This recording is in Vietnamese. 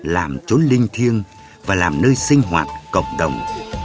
làm trốn linh thiêng và làm nơi sinh hoạt cộng đồng